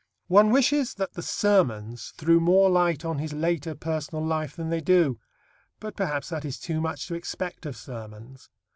One wishes that the Sermons threw more light on his later personal life than they do. But perhaps that is too much to expect of sermons.